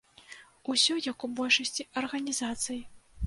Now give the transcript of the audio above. Усё як у большасці арганізацый.